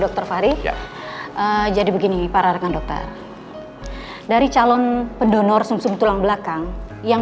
dokter fari jadi begini para rekan dokter dari calon pendonor sum sum tulang belakang yang